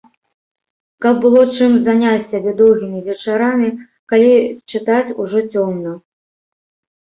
Каб было чым заняць сябе доўгімі вечарамі, калі чытаць ужо цёмна.